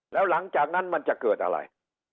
แล้วหลังจากนั้นมันจะเกิดอะไร